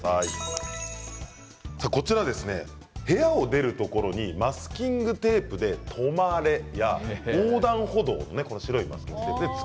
こちらは部屋を出るところにマスキングテープでトマレや横断歩道を白いところそうですね